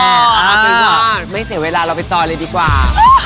คือว่าไม่เสียเวลาเราไปจอยเลยดีกว่า